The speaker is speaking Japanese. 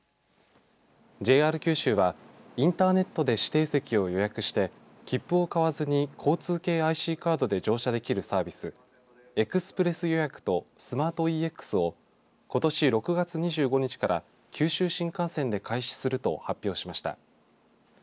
ＪＲ九州はインターネットで指定席を予約して切符を買わずに交通系ＩＣカードで乗車できるサービスエクスプレス予約とスマートＥＸをことし６月２５日から九州新幹線で開始すると発表しました。